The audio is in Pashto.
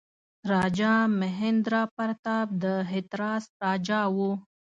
راجا مهیندراپراتاپ د هتراس راجا وو.